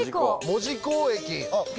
門司港駅。